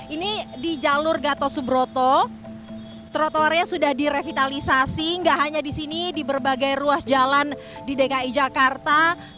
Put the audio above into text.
ini di jalur gato subroto trotoarnya sudah direvitalisasi gak hanya di sini di berbagai ruas jalan di dki jakarta